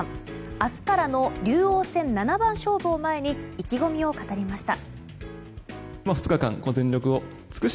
明日からの竜王戦七番勝負を前に意気込みを語りました。